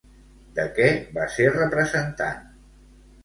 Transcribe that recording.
De què va ser representant?